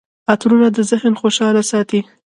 عطرونه د ذهن خوشحاله ساتي.